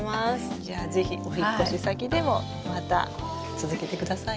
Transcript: じゃあ是非お引っ越し先でもまた続けてくださいね。